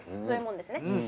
そういうもんですね。